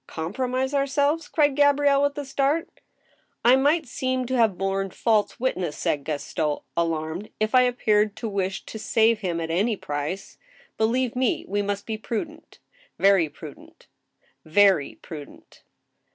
" Compromise ourselves ?" cried Gabrielle, with a start. I might seem to have borne false witness," said Gaston, alarmed, " if I appeared to wish to save him at any price. Believe me, we must be prudent, very prudent — very prudent."